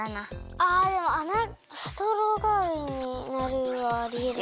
あでもあなストローがわりになるはありえるかも。